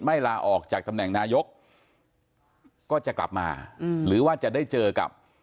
ลาออกจากตำแหน่งนายกก็จะกลับมาหรือว่าจะได้เจอกับ